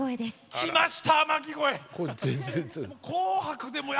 来ました。